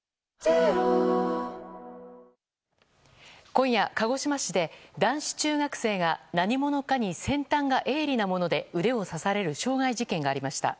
今夜、鹿児島市で男子中学生が何者かに先端が鋭利なもので腕を刺される傷害事件がありました。